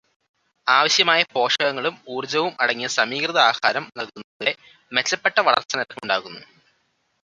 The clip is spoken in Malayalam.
ആവശ്യമായ പോഷകങ്ങളും ഊർജവും അടങ്ങിയ സമീകൃതാഹാരം നൽകുന്നതിലൂടെ മെച്ചപ്പെട്ട വളര്ച്ചാ നിരക്ക് ഉണ്ടാകുന്നു.